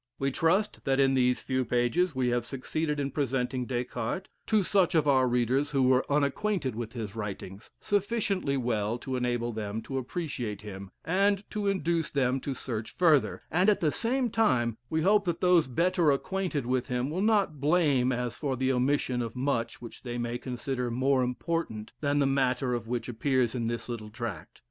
We trust that in these few pages we have succeeded in presenting Des Cartes, to such of our readers who were unacquainted with his writings, sufficiently well to enable them to appreciate him, and to induce them to search further; and at the same time we hope that those better acquainted with him will not blame as for the omission of much which they may consider more important than the matter which appears in this little tract.